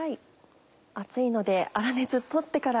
熱いので粗熱取ってから。